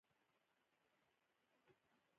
باران صاف او شفاف ښکارېده، له تمځای څخه یو پېټی.